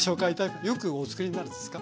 よくおつくりになるんですか？